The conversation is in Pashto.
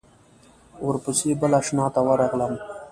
ورپسې بل آشنا ته ورغلم.